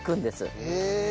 へえ。